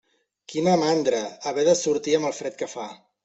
Quina mandra, haver de sortir amb el fred que fa.